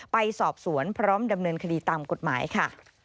ไปสอบสวนพร้อมดำเนินคดีตามกฎหมายค่ะ